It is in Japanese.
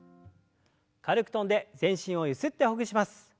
軽く跳んで全身をゆすってほぐします。